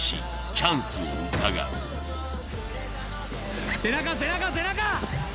チャンスをうかがう背中背中背中！